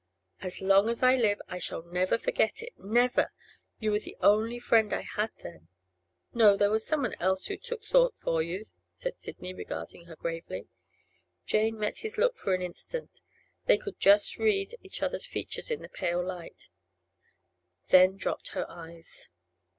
'As long as I live I shall never forget it—never! You were the only friend I had then.' 'No; there was some one else who took thought for you,' said Sidney, regarding her gravely. Jane met his look for an instant—they could just read each other's features in the pale light—then dropped her eyes.